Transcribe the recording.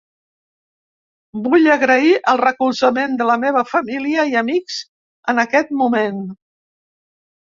Vull agrair el recolzament de la meva família i amics en aquest moment.